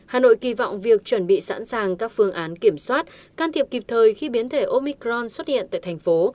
hà nội kỳ vọng việc chuẩn bị sẵn sàng các phương án kiểm soát can thiệp kịp thời khi biến thể omicron xuất hiện tại thành phố